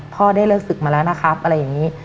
พ่อได้เลิกศึกมาแล้วนะครับอะไรอย่างนี้